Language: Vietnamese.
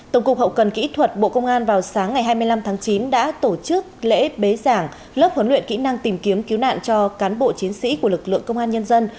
tổng cục hậu cần kỹ thuật bộ công an vào sáng ngày hai mươi năm tháng chín đã tổ chức lễ bế giảng lớp huấn luyện kỹ năng tìm kiếm cứu nạn cho cán bộ chiến sĩ của lực lượng công an nhân dân